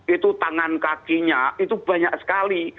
itu tangan kakinya itu banyak sekali